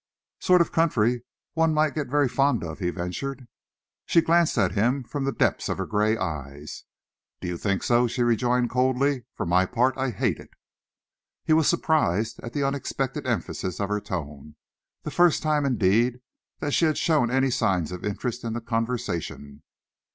"Sort of country one might get very fond of," he ventured. She glanced at him from the depths of her grey eyes. "Do you think so?" she rejoined coldly. "For my part, I hate it." He was surprised at the unexpected emphasis of her tone the first time, indeed, that she had shown any signs of interest in the conversation.